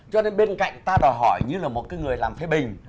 cho nên bên cạnh ta đòi hỏi như là một cái người làm phê bình